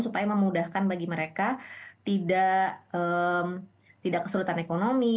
supaya memudahkan bagi mereka tidak kesulitan ekonomi